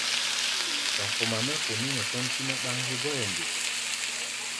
Wa foma mɛ́ fomí nɛ sɔ́ntí-mɛ́ ɗáŋ hégɔ́ʼɛ nde?